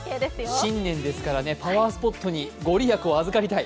新年ですから、パワースポットに御利益を預かりたい。